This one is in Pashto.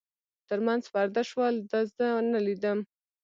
تر منځ پرده شول، ده زه نه لیدم.